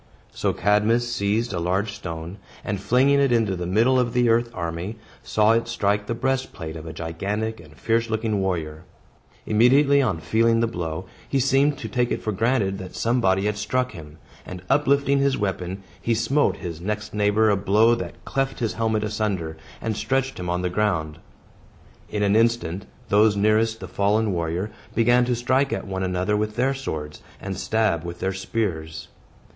So Cadmus seized a large stone, and flinging it into the middle of the earth army, saw it strike the breastplate of a gigantic and fierce looking warrior. Immediately on feeling the blow, he seemed to take it for granted that somebody had struck him; and, uplifting his weapon, he smote his next neighbor a blow that cleft his helmet asunder, and stretched him on the ground. In an instant, those nearest the fallen warrior began to strike at one another with their swords, and stab with their spears.